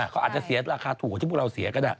เขาอาจจะเสียราคาถูกกว่าที่พวกเราเสียก็ได้